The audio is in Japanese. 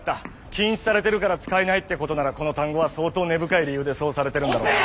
「禁止」されてるから使えないってことならこの単語は相当根深い理由でそうされてるんだろうな。